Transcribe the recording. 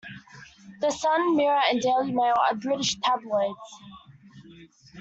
The Sun, Mirror and Daily Mail are British tabloids.